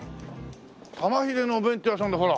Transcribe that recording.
玉ひでのお弁当屋さんだほら！